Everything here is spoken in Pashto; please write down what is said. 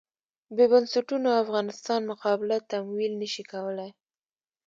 بې بنسټونو افغانستان مقابله تمویل نه شي کولای.